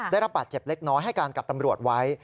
ได้รับบาดเจ็บเล็กน้อยให้การกับตำรวจไว้